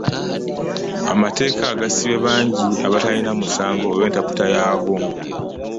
Amateeka gasibye bangi abatalina musango olw'entaputa yaago.